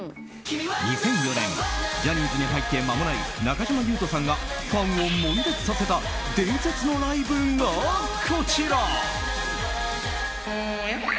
２００４年ジャニーズに入って間もない中島裕翔さんがファンを悶絶させた伝説のライブが、こちら。